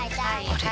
あれ？